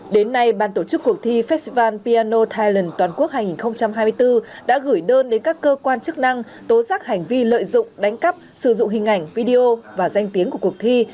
đến nay ban tổ chức cuộc thi festival piano thailand toàn quốc hai nghìn hai mươi bốn đã gửi đơn đến các cơ quan chức năng tố giác hành vi lợi dụng đánh cắp sử dụng hình ảnh video và danh tiếng của cuộc thi